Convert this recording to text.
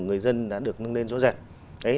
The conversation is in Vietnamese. người dân đã được nâng lên rõ ràng